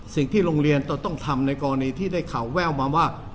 สิ่งที่โรงเรียนจะต้องทำในกรณีที่ได้ข่าวแววมาว่า